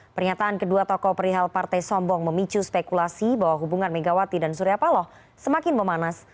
pernyataan kedua tokoh perihal partai sombong memicu spekulasi bahwa hubungan megawati dan surya paloh semakin memanas